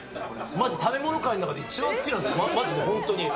まじ、食べ物界の中で一番好きなんですよ、まじで、本当に。